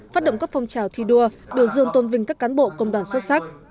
phát động các phong trào thi đua đều dường tôn vinh các cán bộ công đoàn xuất sắc